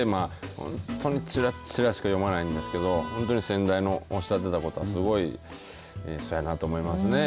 本当にちらちらしか読まないんですけど本当に先代のおっしゃっていたことすごいそやなと思いますね。